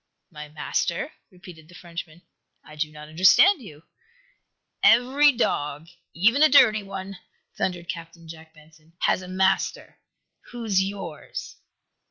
"My master?" repeated the Frenchman. "I do not understand you." "Every dog, even a dirty one," thundered Captain Jack Benson, "has a master! Who's yours?"